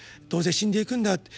どうせ死んでいくんだ。